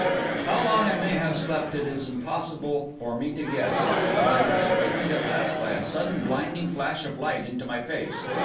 How long I may have slept it is impossible for me to guess; but I was awakened at last by a sudden, blinding flash of light into my face.